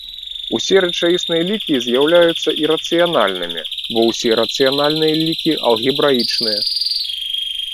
Усе рэчаісныя лікі з'яўляюцца ірацыянальнымі, бо ўсе рацыянальныя лікі алгебраічныя.